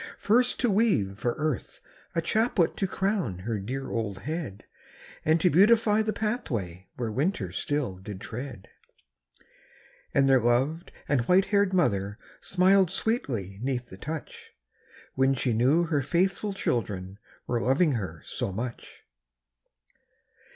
First to weave for Earth a chaplet To crown her dear old head; And to beautify the pathway Where winter still did tread. And their loved and white haired mother Smiled sweetly 'neath the touch, When she knew her faithful children Were loving her so much.